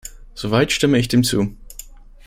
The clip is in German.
Soweit stimme ich dem zu.